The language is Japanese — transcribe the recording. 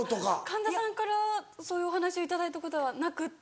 神田さんからそういうお話を頂いたことはなくって。